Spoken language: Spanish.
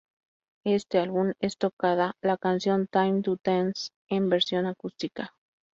Este álbum es tocada la canción Time to Dance en versión acústica.